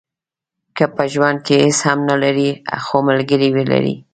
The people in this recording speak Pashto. که په ژوند کې هیڅ هم نه لرئ خو ملګری ولرئ.